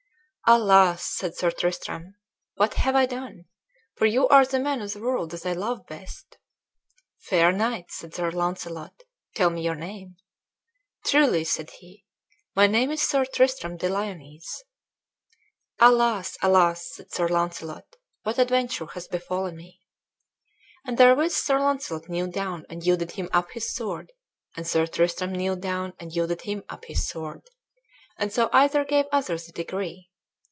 "Alas!" said Sir Tristram, "what have I done? for you are the man of the world that I love best." "Fair knight," said Sir Launcelot, "tell me your name." "Truly," said he, "my name is Sir Tristram de Lionesse." "Alas! alas!" said Sir Launcelot, "what adventure has befallen me!" And therewith Sir Launcelot kneeled down and yielded him up his sword; and Sir Tristram kneeled down and yielded him up his sword; and so either gave other the degree.